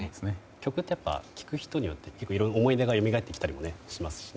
曲って聴く人によって思い出がよみがえってきたりもしますね。